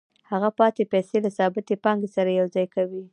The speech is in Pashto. هغه پاتې پیسې له ثابتې پانګې سره یوځای کوي